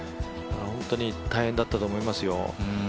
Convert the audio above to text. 本当に大変だったと思いますよ。